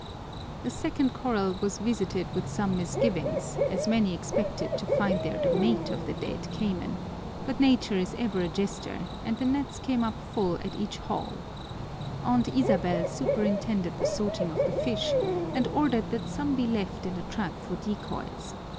The second corral was visited with some misgivings, as many expected to find there the mate of the dead cayman, but nature is ever a jester, and the nets came up full at each haul. Aunt Isabel superintended the sorting of the fish and ordered that some be left in the trap for decoys.